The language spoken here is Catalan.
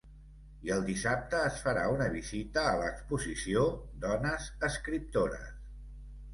I el dissabte es farà una visita a l’exposició ‘Dones escriptores’.